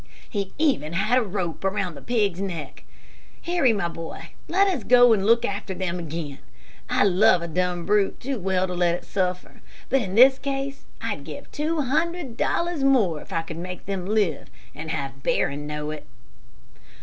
"He even had a rope around the pig's neck. Harry, my boy, let us go and look after them again. I love a dumb brute too well to let it suffer, but in this case I'd give two hundred dollars more if I could make them live and have Barron know it."